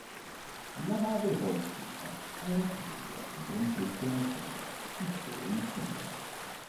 La madre Faustina era figlia di Francesco Mancini, pittore insigne.